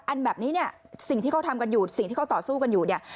แบบนี้เนี่ยสิ่งที่เขาทำกันอยู่สิ่งที่เขาต่อสู้กันอยู่เนี่ย